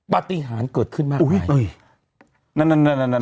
ปฏิหารเกิดขึ้นมากมายอุ้ยนั่นนั่นนั่น